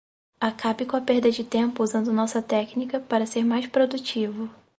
Acabe com a perda de tempo usando nossa técnica para ser mais produtivo